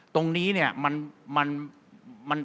ตรงนี้เนี่ย